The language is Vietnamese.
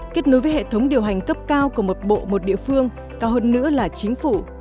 kết nối với hệ thống điều hành cấp cao của một bộ một địa phương cao hơn nữa là chính phủ